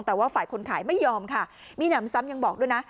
แต่ว่าฝ่ายคนขายไม่ยอมค่ะมีหนำซ้ำยังบอกด้วยนะ